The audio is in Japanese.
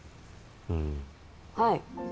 うんはい